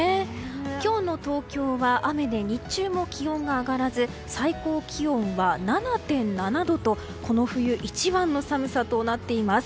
今日の東京は雨で日中も気温が上がらず最高気温は７．７度とこの冬一番の寒さとなっています。